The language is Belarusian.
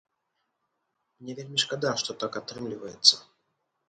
Мне вельмі шкада, што так атрымліваецца.